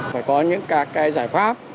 phải có những cái giải pháp